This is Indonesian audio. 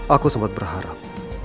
aku sempat berharap